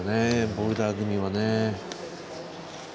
ボルダー組はね。